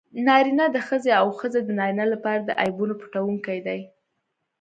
نارینه د ښځې او ښځه د نارینه لپاره د عیبونو پټوونکي دي.